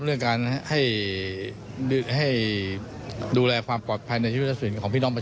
ว่าในการทำสำนวนเป็นยังไงที่มาที่ไปนะครับ